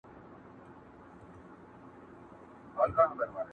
نوم يې کله کله په خبرو کي تکراريږي بې اختياره،